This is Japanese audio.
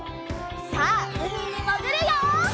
さあうみにもぐるよ！